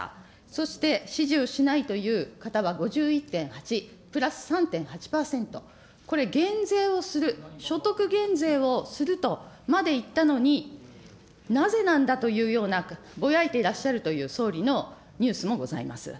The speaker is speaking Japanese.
そして支持をしないという方は５１．８、プラス３．８％、これ、減税をする、所得減税をするとまで言ったのに、なぜなんだというような、ぼやいていらっしゃるという総理のニュースもございます。